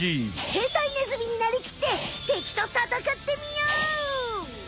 兵隊ネズミになりきって敵とたたかってみよう！